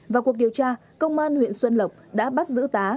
vào cuộc điều tra công an huyện xuân lộc đã bắt giữ tá